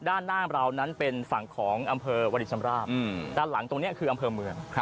ด้านหน้าเรานั้นเป็นฝั่งของอำเภอวรินชำราบด้านหลังตรงนี้คืออำเภอเมือง